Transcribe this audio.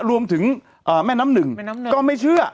รวมถึงแม่น้ำหนึ่งแม่น้ำหนึ่งก็ไม่เชื่อ